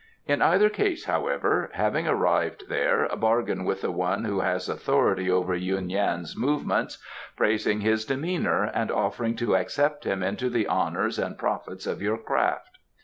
"In either case, however, having arrived there, bargain with the one who has authority over Yuen Yan's movements, praising his demeanour and offering to accept him into the honours and profits of your craft.